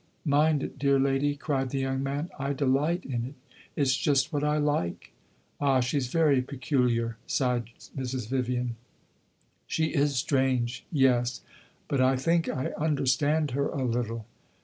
"Mind it, dear lady?" cried the young man. "I delight in it. It 's just what I like." "Ah, she 's very peculiar!" sighed Mrs. Vivian. "She is strange yes. But I think I understand her a little."